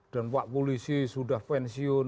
dan pak polisi sudah pensiun